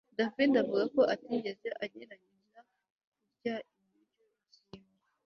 David avuga ko atigeze agerageza kurya ibiryo byimbwa